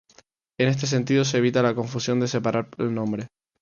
En ese sentido se evita la confusión de separar el nombre.